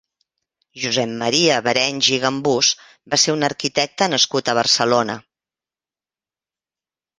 Josep Maria Barenys i Gambús va ser un arquitecte nascut a Barcelona.